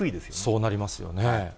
そうなりますよね。